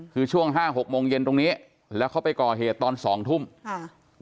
คือช่วงห้าหกโมงเย็นตรงนี้แล้วเขาไปก่อเหตุตอนสองทุ่มค่ะ